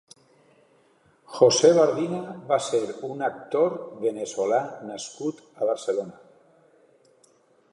José Bardina va ser un actor veneçolà nascut a Barcelona.